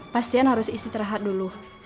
pastian harus istirahat dulu